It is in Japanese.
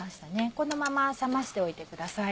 このまま冷ましておいてください。